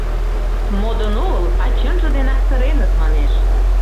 Модын огыл, а чынже денак сыреныт! — манеш.